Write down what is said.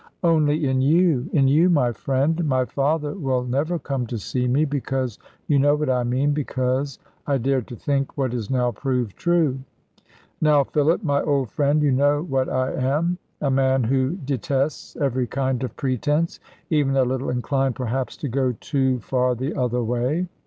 "Only in you, in you, my friend. My father will never come to see me, because you know what I mean because I dared to think what is now proved true." "Now, Philip, my old friend, you know what I am. A man who detests every kind of pretence. Even a little inclined perhaps to go too far the other way."